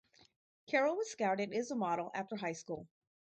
Carroll was scouted as a model after high school.